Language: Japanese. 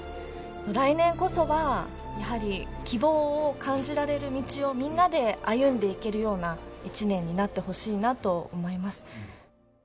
来年こそは、やはり希望を感じられる道を、みんなで歩んでいけるような一年になってほしいなと思います。